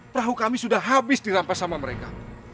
perahu kami sudah habis dirampas sama mereka